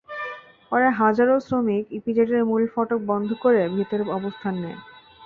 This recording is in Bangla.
পরে হাজারো শ্রমিক ইপিজেডের মূল ফটক বন্ধ করে ভেতরে অবস্থান নেন।